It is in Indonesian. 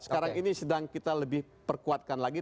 sekarang ini sedang kita lebih perkuatkan lagi